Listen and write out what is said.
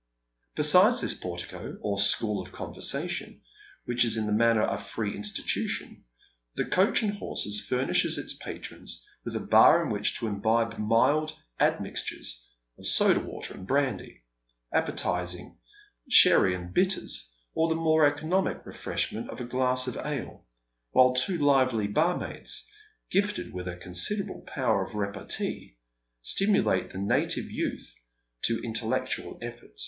Besides this portico, or school of conversation, which is in a manner a free institution, the " Coach and Horses " furnishes its patrons with a bar in which to imbibe mild admixtures of soda water and brandy, appetising sherry and bitters, or the more economic refreshment of a glass of ale, while two lively barmaids, gifted with a considerable power of repartee, stimulate the native youth to intellectual effort.